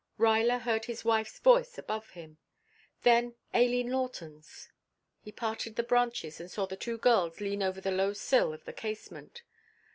Ruyler heard his wife's voice above him, then Aileen Lawton's. He parted the branches and saw the two girls lean over the low sill of the casement.